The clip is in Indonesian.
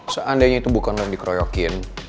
seandainya itu bukan lo yang dikeroyokin